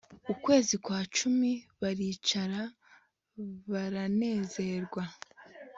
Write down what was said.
ukwezi kwa cumi baricara baranezerwa